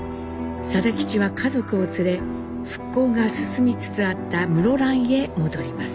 定吉は家族を連れ復興が進みつつあった室蘭へ戻ります。